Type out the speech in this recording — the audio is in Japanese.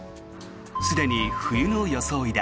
すでに冬の装いだ。